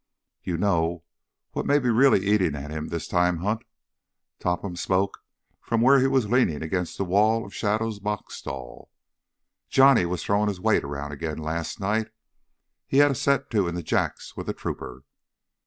"You know what may be really eating at him this time, Hunt?" Topham spoke from where he was leaning against the wall of Shadow's box stall. "Johnny was throwing his weight around again last night. Had a set to in the Jacks with a trooper.